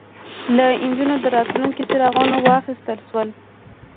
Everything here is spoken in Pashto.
له نجونو د راتلونکي څراغونه واخیستل شول